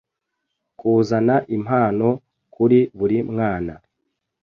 Kuzana impano kuri buri mwana